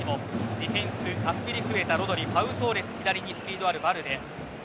ディフェンスはアスピリクエタ、トーレス左にスピードのあるバルデ。